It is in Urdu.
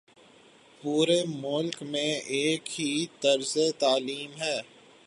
پورے ملک میں ایک ہی طرز تعلیم ہے۔